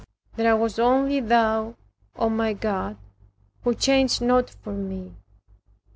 There was only Thou, O my God, who changed not for me.